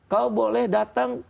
kau boleh datang